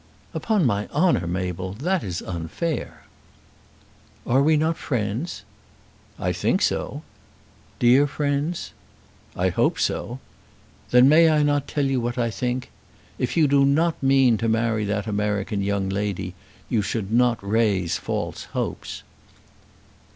"Upon my honour, Mabel, that is unfair." "Are we not friends?" "I think so." "Dear friends?" "I hope so." "Then may I not tell you what I think? If you do not mean to marry that American young lady you should not raise false hopes."